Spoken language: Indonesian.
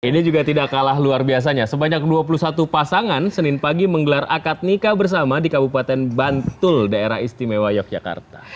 ini juga tidak kalah luar biasanya sebanyak dua puluh satu pasangan senin pagi menggelar akad nikah bersama di kabupaten bantul daerah istimewa yogyakarta